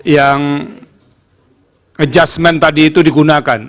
yang adjustment tadi itu digunakan